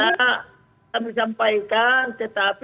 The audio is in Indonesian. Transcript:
sudah kami sampaikan tetapi sikap penyusik adalah ketika kami serahkan di jambi